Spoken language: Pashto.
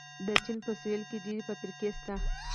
د چین په سویل کې ډېرې فابریکې شته.